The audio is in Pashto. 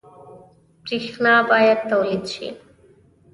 برښنا باید تولید شي